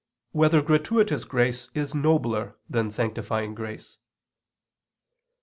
5] Whether Gratuitous Grace Is Nobler Than Sanctifying Grace?